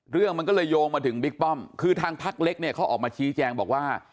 เรื่องมันก็เลยโยงมาถึงบิ๊กป้อมคือทางพักเล็กเนี่ยเขาออกมาชี้แจงบอกว่า